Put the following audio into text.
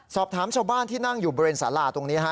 สอบถามชาวบ้านที่นั่งอยู่บริเวณสาราตรงนี้